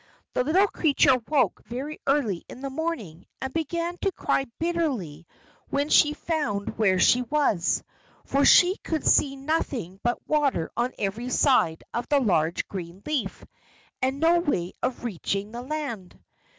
The little creature woke very early in the morning, and began to cry bitterly when she found where she was, for she could see nothing but water on every side of the large green leaf, and no way of reaching the land.